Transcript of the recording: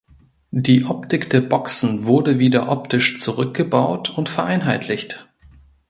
Die Optik der Boxen wurde wieder optisch zurückgebaut und vereinheitlicht.